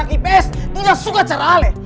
orang adek ips tidak suka cara leh